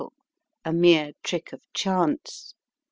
— a mere trick of chance.